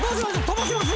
飛ばします？